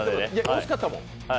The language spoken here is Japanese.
惜しかったもん。